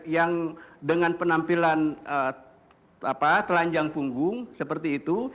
yang dengan penampilan telanjang punggung seperti itu